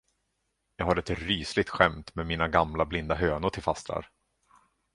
Jag har ett rysligt skämt med mina gamla blinda hönor till fastrar.